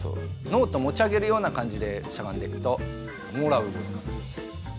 ノート持ち上げるようなかんじでしゃがんでいくとほら動かない。